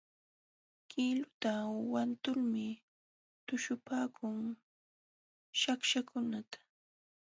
Qiluta wantulmi tuśhupaakun Shawshakuna.